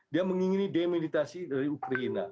dia mengingini demeditasi dari ukraina